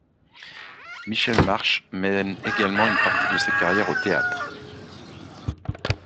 Michele Marsh mène également une partie de sa carrière au théâtre.